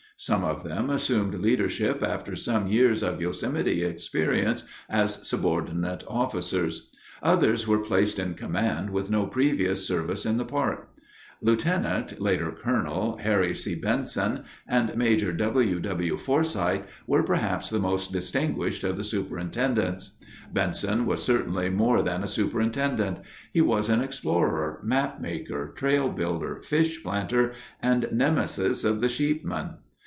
Some of them assumed leadership after some years of Yosemite experience as subordinate officers. Others were placed in command with no previous service in the park. Lieutenant (later Colonel) Harry C. Benson and Major W. W. Forsyth were perhaps the most distinguished of the superintendents. Benson was certainly more than a superintendent; he was an explorer, map maker, trail builder, fish planter, and nemesis of the sheepmen.